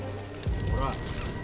ほら。